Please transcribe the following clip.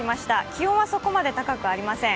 気温は、そこまで高くありません。